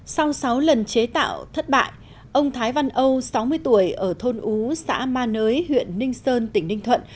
sau sáu lần chế tạo thất bại ông thái văn âu sáu mươi tuổi ở thôn ú xã ma nới huyện ninh sơn tỉnh ninh thuận